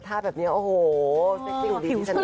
แต่ถ้าแบบนี้โอ้โหเซ็กซิ่งดี